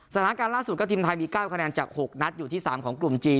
สถานการณ์ล่าสุดก็ทีมไทยมี๙คะแนนจาก๖นัดอยู่ที่๓ของกลุ่มจีน